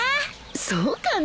そうかな？